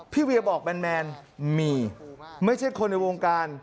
เวียบอกแมนมีไม่ใช่คนในวงการ